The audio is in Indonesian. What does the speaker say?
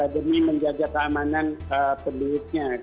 demi menjaga keamanan penduduknya